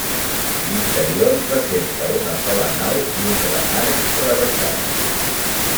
L'interior presenta una sola nau i un gran arc rebaixat.